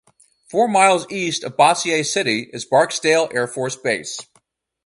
Four miles east of Bossier City is Barksdale Air Force Base.